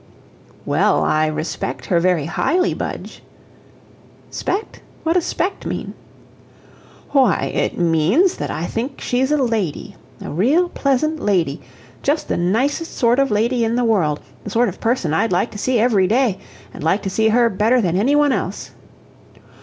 "Well, I respect her very highly, Budge." "'Spect? What does 'spect mean?" "Why, it means that I think she's a lady a real pleasant lady just the nicest sort of lady in the world the sort of person I'd like to see every day, and like to see her better than any one else."